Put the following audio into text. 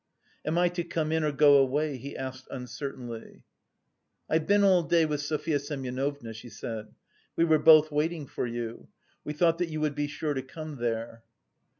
"Am I to come in or go away?" he asked uncertainly. "I've been all day with Sofya Semyonovna. We were both waiting for you. We thought that you would be sure to come there."